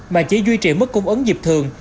mà chỉ duy trì mức cung ứng dịp thường